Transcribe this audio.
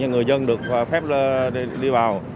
cho người dân được phép đi vào